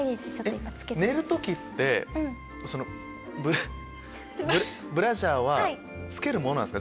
えっ寝る時ってそのブラブラジャーは着けるものなんですか？